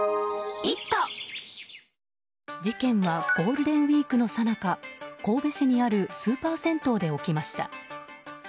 事件はゴールデンウィークのさなか神戸市にあるスーパー銭湯で起きました。